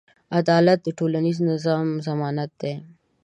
عدالت د ټولنیز نظم ضمانت دی.